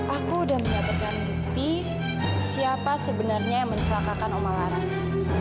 aku sudah menyatakan bukti siapa sebenarnya yang mencelakakan omalaras